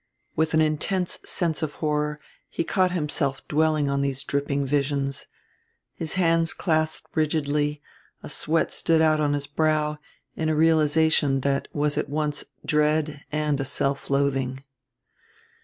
With an intense sense of horror he caught himself dwelling on these dripping visions. His hands clasped rigidly, a sweat stood out on his brow, in a realization that was at once dread and a self loathing.